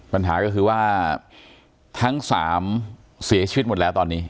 ปัญหาก็คือว่าทั้งสามเสียชีวิตหมดแล้วตอนนี้